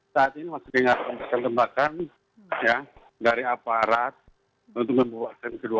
saat ini masih tinggal kelembakan dari aparat untuk membuatkan kedua